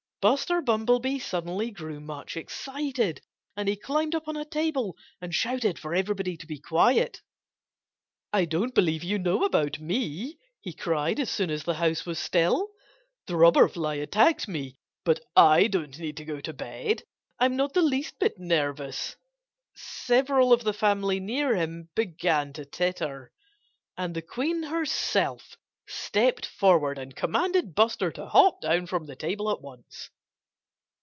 Buster Bumblebee suddenly grew much excited. And he climbed up on a table and shouted for everybody to be quiet. "I don't believe you know about me!" he cried, as soon as the house was still. "The Robber Fly attacked me. But I don't need to go to bed. I'm not the least bit nervous." Several of the family near him began to titter. And the Queen herself stepped forward and commanded Buster to hop down from the table at once.